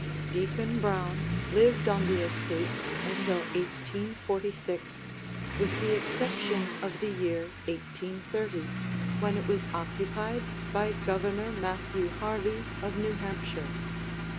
Deacon Brown lived on the estate until 1846, with the exception of the year 1830, when it was occupied by Governor Matthew Harvey of New Hampshire.